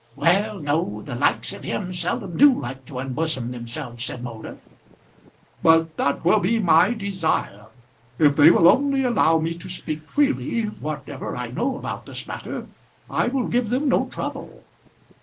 "Well; no. The likes of him seldom do like to unbosom themselves," said Moulder. "But that will be my desire. If they will only allow me to speak freely whatever I know about this matter, I will give them no trouble."